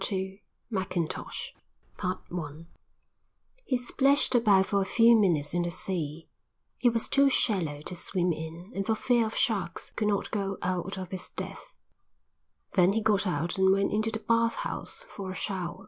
II Mackintosh He splashed about for a few minutes in the sea; it was too shallow to swim in and for fear of sharks he could not go out of his depth; then he got out and went into the bath house for a shower.